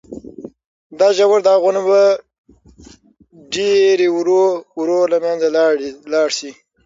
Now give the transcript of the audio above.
دا ژور داغونه به په ډېرې ورو ورو له منځه لاړ شي.